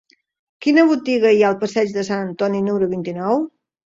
Quina botiga hi ha al passeig de Sant Antoni número vint-i-nou?